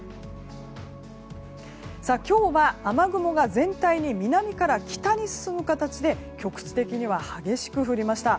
今日は雨雲が全体に南から北に進む形で局地的には激しく降りました。